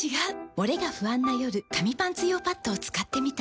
モレが不安な夜紙パンツ用パッドを使ってみた。